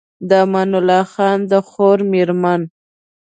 د امان الله خان د خور مېرمن